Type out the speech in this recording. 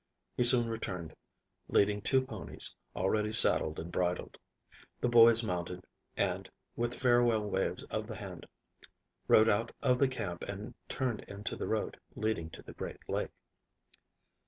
He soon returned, leading two ponies already saddled and bridled. The boys mounted, and, with farewell waves of the hand, rode out of the camp and turned into the road leading to the great lake.